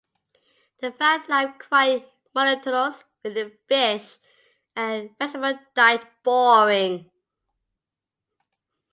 They found life quite monotonous, with the fish and vegetable diet boring.